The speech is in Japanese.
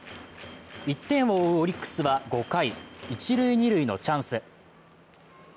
１点を追うオリックスは５回、一・二塁のチャンス。